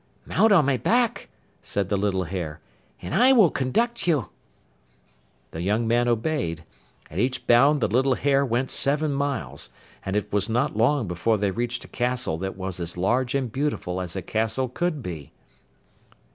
'Mount on my back,' said the little hare, 'and I will conduct you.' The young man obeyed: at each bound the little hare went seven miles, and it was not long before they reached a castle that was as large and beautiful as a castle could be.